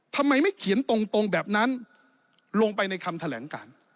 ทำไมไม่เขียนตรงแบบนั้นลงไปในคำแถลงการ